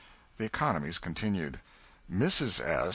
the economies continued. Mrs. S.